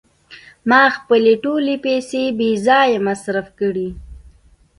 ما خپلې ټولې پیسې بې ځایه مصرف کړې.